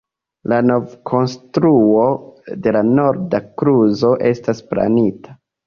La novkonstruo de la norda kluzo estas planita.